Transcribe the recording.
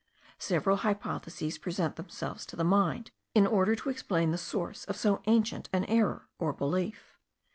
Several hypotheses present themselves to the mind, in order to explain the source of so ancient an error or belief.